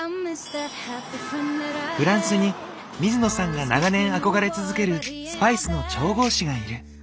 フランスに水野さんが長年憧れ続けるスパイスの調合師がいる。